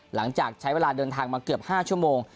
หลังจากใช้เวลาเดินทางมาเกือบ๕ชั่วโมง